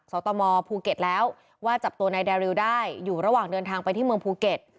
สตมภูเก็ตแล้วว่าจับตัวนายดาริวได้อยู่ระหว่างเดินทางไปที่เมืองภูเก็ต